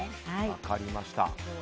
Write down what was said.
分かりました。